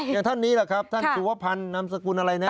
อย่างท่านนี้แหละครับท่านสุวพันธ์นามสกุลอะไรนะ